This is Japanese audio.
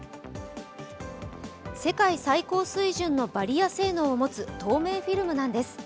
世界最高水準のバリア性能を持つ透明フィルムなんです。